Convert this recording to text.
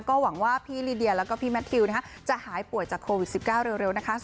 ก็หวังว่าพี่ลิเดียแล้วก็พี่แมททิวจะหายป่วยจากโควิด๑๙เร็วนะคะ